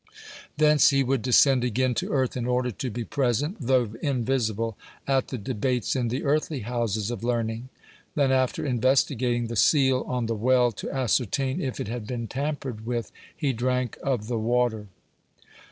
Thence he would descend again to earth in order to be present, though invisible, (84) at the debates in the earthly houses of learning. Then, after investigating the seal on the well to ascertain if it had been tampered with, he drank of the water.